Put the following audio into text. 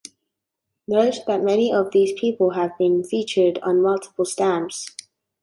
Note that many of these people have been featured on multiple stamps.